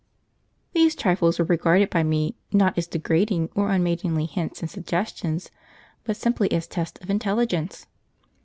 These trifles were regarded by me not as degrading or unmaidenly hints and suggestions, but simply as tests of intelligence.